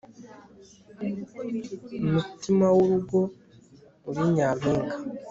mutimawurugo uri nyampinga